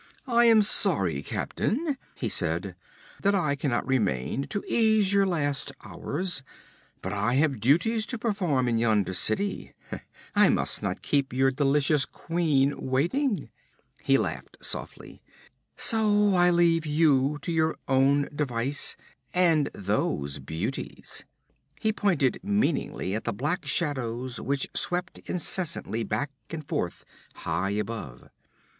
'I am sorry, captain,' he said, 'that I cannot remain to ease your last hours, but I have duties to perform in yonder city I must not keep your delicious queen waiting!' He laughed softly. 'So I leave you to your own devices and those beauties!' He pointed meaningly at the black shadows which swept incessantly back and forth, high above.